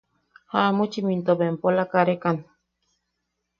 Jamuchim into bempola karekan.